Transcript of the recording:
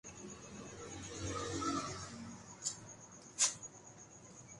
مگر ہم اس میں سے خود ہی لاجک تلاش کرلیتےہیں اور اپنے آپ کو حقدار ثواب قرار دے لیتےہیں